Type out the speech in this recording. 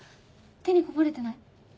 手にこぼれてない？